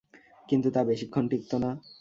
কিন্তু তা বেশিক্ষণ টিকত না।